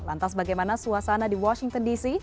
lantas bagaimana suasana di washington dc